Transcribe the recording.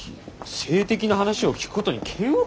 「性的な話を聞くことに嫌悪感」？